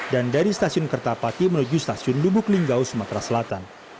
dan dari stasiun kertapati menuju stasiun lubuk linggau sumatera selatan